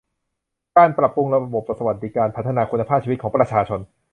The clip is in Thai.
การปรับปรุงระบบสวัสดิการพัฒนาคุณภาพชีวิตของประชาชน